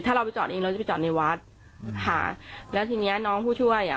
ถ้าเราไปจอดเองเราจะไปจอดในวัดค่ะแล้วทีเนี้ยน้องผู้ช่วยอ่ะ